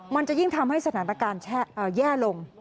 มันจะยิ่งทำให้สถานการณ์แย่ลง